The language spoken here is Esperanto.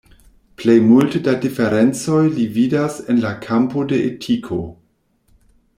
Plej multe da diferencoj li vidas en la kampo de etiko.